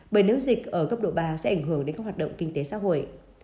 bởi nếu dịch ở cấp độ ba sẽ ảnh hưởng đến các hoạt động kinh tế xã hội